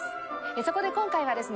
そこで今回はですね